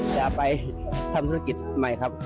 จะไปทำธุรกิจใหม่ครับ